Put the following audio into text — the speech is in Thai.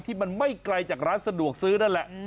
ที่มันไม่ไกลจากร้านสะดวกซื้อนั่นแหละ